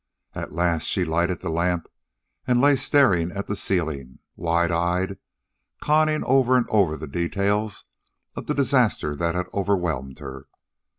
At last, she lighted the lamp and lay staring at the ceiling, wide eyed, conning over and over the details of the disaster that had overwhelmed her.